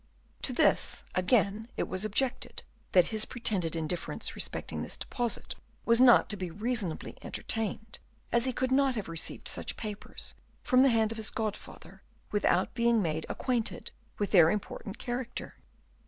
To this again it was objected, that his pretended indifference respecting this deposit was not to be reasonably entertained, as he could not have received such papers from the hand of his godfather without being made acquainted with their important character.